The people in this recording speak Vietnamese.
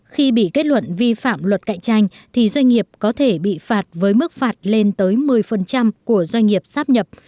khi bị kết luận vi phạm luật cạnh tranh thì doanh nghiệp có thể bị phạt với mức phạt lên tới một mươi của doanh nghiệp sắp nhập